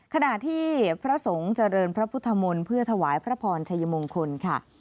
ขณะที่พระสงฆ์เจริญพระพุทธมนต์เพื่อถวายพระพรชัยมงคลค่ะ